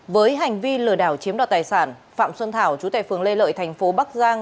với hành vi lừa đảo chiếm đoạt tài sản phạm xuân thảo chú tệ phường lê lợi thành phố bắc giang